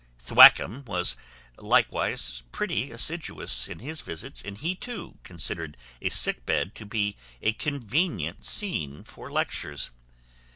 Thwackum was likewise pretty assiduous in his visits; and he too considered a sick bed to be a convenient scene for lectures.